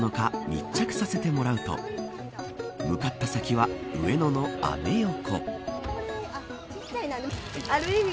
密着させてもらうと向かった先は上野のアメ横。